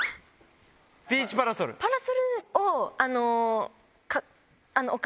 パラソルを。